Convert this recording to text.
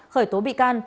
khởi tố bị can